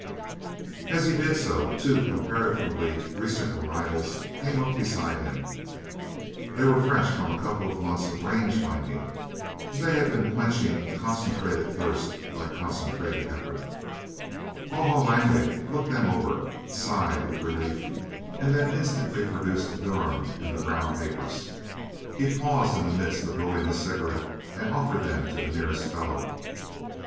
As he did so two comparatively recent arrivals came up beside him. They were fresh from a couple of months of range finding, and they had been quenching a concentrated thirst by concentrated effort. Haw Haw Langley looked them over, sighed with relief, and then instantly produced Durham and the brown papers. He paused in the midst of rolling his cigarette and offered them to the nearest fellow.